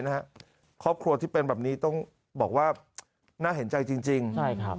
ครอบครัวที่เป็นแบบนี้ต้องบอกว่าน่าเห็นใจจริงจริงใช่ครับ